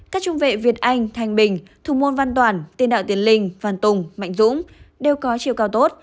các trung vệ việt anh thanh bình thủ môn văn toản tiền đạo tiến linh văn tùng mạnh dũng đều có chiều cao tốt